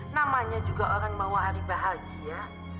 namanya juga orang bawa hari bahagia